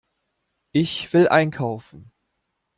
Ich will einkaufen.